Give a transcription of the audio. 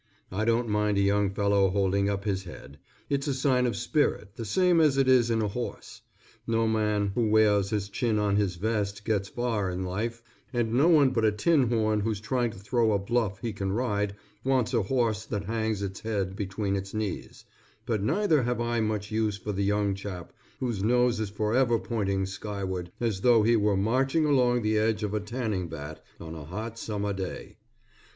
I don't mind a young fellow holding up his head. It's a sign of spirit the same as it is in a horse. No man who wears his chin on his vest gets far in life, and no one but a tin horn who's trying to throw a bluff he can ride, wants a horse that hangs its head between its knees; but neither have I much use for the young chap who's nose is forever pointing skyward as though he were marching along the edge of a tanning vat on a hot summer day.